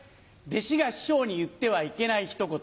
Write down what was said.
弟子が師匠に言ってはいけないひと言。